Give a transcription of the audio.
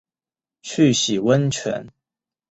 去洗温泉